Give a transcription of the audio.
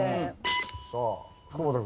さあ福本君。